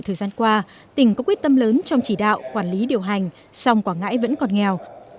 thời gian qua tỉnh có quyết tâm lớn trong chỉ đạo quản lý điều hành song quảng ngãi vẫn còn nghèo